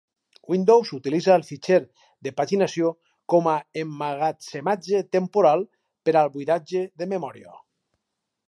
Windows utilitza el fitxer de paginació com a emmagatzematge temporal per al buidatge de memòria.